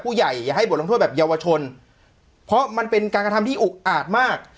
อย่าให้บทลงโทษแบบเยาวชนเพราะมันเป็นการกระทำที่อุกอาจมาก